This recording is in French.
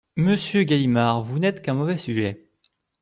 Monsieur Galimard, vous n’êtes qu’un mauvais sujet !